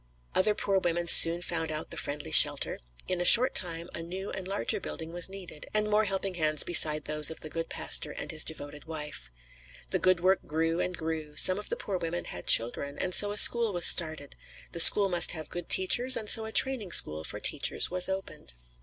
Other poor women soon found out the friendly shelter; in a short time a new and larger building was needed, and more helping hands beside those of the good pastor and his devoted wife. The good work grew and grew; some of the poor women had children, and so a school was started; the school must have good teachers, and so a training school for teachers was opened.